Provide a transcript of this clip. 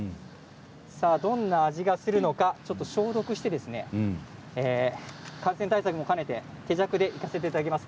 どんな味がするのか、消毒して感染対策も兼ねて、手酌でいかせていただきます。